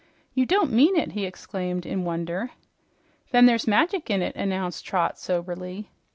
"You don't mean it!" he exclaimed in wonder. "Then there's magic in it," announced Trot soberly.